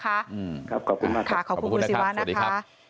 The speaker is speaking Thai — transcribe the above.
ครับขอบคุณมากครับขอบคุณคุณศิวะนะคะ